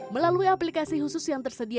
melalui aplikasi khusus yang tersedia